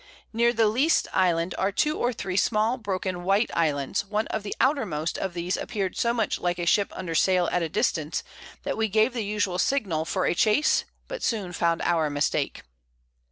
Near the least Island are 2 or 3 small broken white Islands, one of the outermost of these appear'd so much like a Ship under Sail at a distance, that we gave the usual Signal for a Chase, but soon found our Mistake.